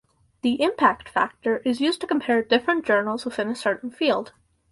The impact factor is used to compare different journals within a certain field.